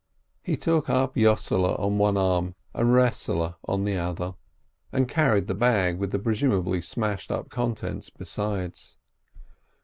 He took up Yossele on one arm and Resele on the other, and carried the bag with the presumably smashed up contents besides.